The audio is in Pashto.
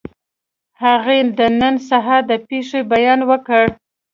هغې د نن سهار د پېښې بیان وکړ